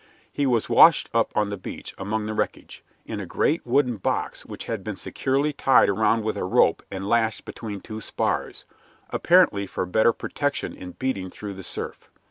He was washed up on the beach among the wreckage, in a great wooden box which had been securely tied around with a rope and lashed between two spars apparently for better protection in beating through the surf.